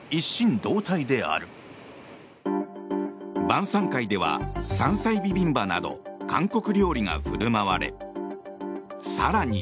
晩さん会では山菜ビビンバなど韓国料理が振る舞われ更に。